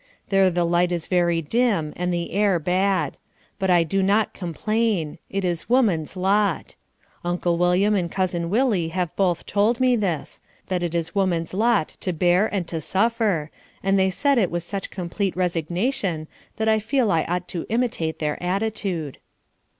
There the light is very dim and the air bad. But I do not complain. It is woman's lot. Uncle William and Cousin Willie have both told me this that it is woman's lot to bear and to suffer; and they said it with such complete resignation that I feel I ought to imitate their attitude.